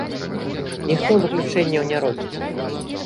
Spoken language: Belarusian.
Ніхто выключэнняў не робіць.